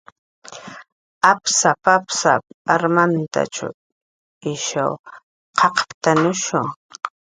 "Apsap"" apsap"" armantach ishw q'aqptanushu "